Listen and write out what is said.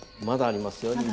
まだありますよ。